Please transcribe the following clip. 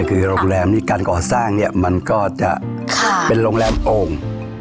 คือโรงแรมนี้การก่อสร้างเนี่ยมันก็จะเป็นโรงแรมโอ่ง